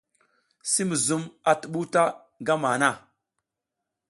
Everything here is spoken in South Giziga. Si muzum a tuɓuw ta ngama han.